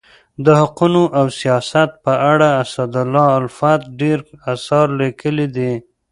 د حقوقو او سیاست په اړه اسدالله الفت ډير اثار لیکلي دي.